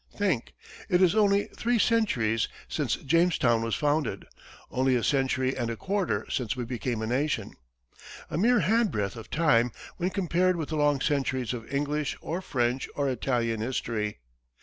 Think it is only three centuries since Jamestown was founded; only a century and a quarter since we became a nation a mere handbreadth of time when compared with the long centuries of English or French or Italian history.